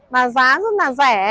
mà giá rất là dài